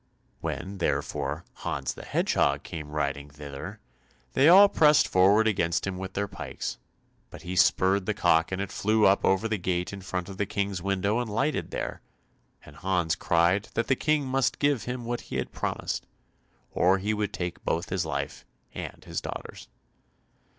When, therefore, Hans the Hedgehog came riding thither, they all pressed forward against him with their pikes, but he spurred the cock and it flew up over the gate in front of the King's window and lighted there, and Hans cried that the King must give him what he had promised, or he would take both his life and his daughter's.